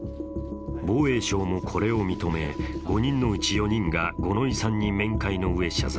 防衛省もこれを認め５人のうち４人が五ノ井さんに面会のうえ謝罪。